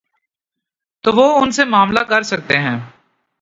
تو وہ ان سے معاملہ کر سکتے ہیں۔